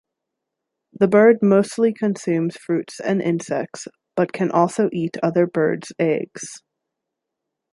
The bird mostly consumes fruits and insects, but can also eat other birds' eggs.